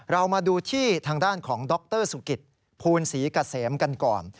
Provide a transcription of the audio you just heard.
เรามาดูที่ทางด้านของดรสุกิตภูลศรีเกษมกันก่อน